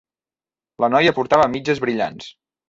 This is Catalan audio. La noia portava mitges brillants.